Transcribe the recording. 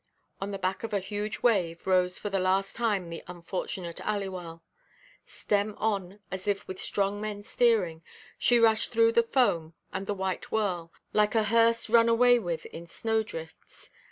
On the back of a huge wave rose for the last time the unfortunate Aliwal. Stem on, as if with strong men steering, she rushed through the foam and the white whirl, like a hearse run away with in snow–drifts.